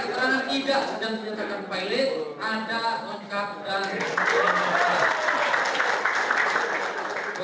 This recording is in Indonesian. terangkan ida dan penyelenggara pilot ada ongkar dan mengumpulkan